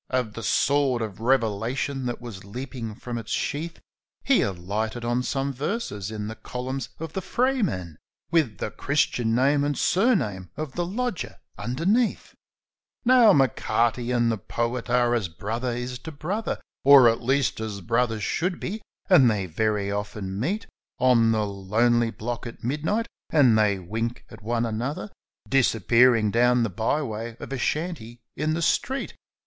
V the sword of revelation that was leapin' from its sheath,' He alighted on some verses in the columns of the FRAYMAN, 1 Wid the Christian name an surname av the lodger ondemeath /' Now, M'Carty and the poet are as brother is to brother, Or, at least, as brothers should be ; and they very often meet On the lonely block at midnight, and they wink at one another Disappearing down the by way of a shanty in the street.